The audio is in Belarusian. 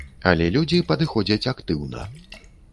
Але людзі падыходзяць актыўна.